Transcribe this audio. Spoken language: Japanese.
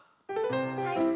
はい。